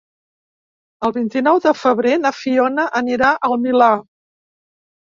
El vint-i-nou de febrer na Fiona anirà al Milà.